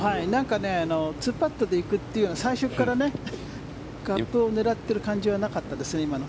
２パットで行くという最初からカップを狙っている感じはなかったですね、今の。